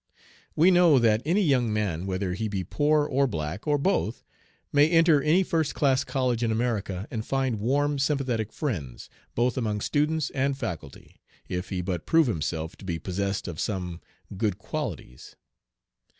"We know that any young man, whether he be poor or black, or both, may enter any first class college in America and find warm sympathetic friends, both among students and faculty, if he but prove himself to be possessed of some good qualities."